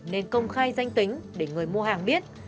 nên công khai danh tính để người mua hàng biết